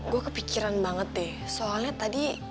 gue kepikiran banget deh soalnya tadi